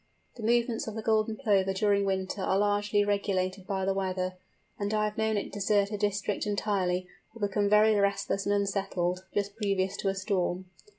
The movements of the Golden Plover during winter are largely regulated by the weather, and I have known it desert a district entirely, or become very restless and unsettled, just previous to a storm.